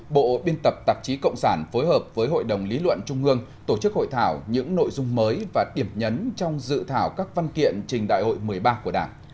bộ biên tập tạp chí cộng sản phối hợp với hội đồng lý luận trung ương tổ chức hội thảo những nội dung mới và điểm nhấn trong dự thảo các văn kiện trình đại hội một mươi ba của đảng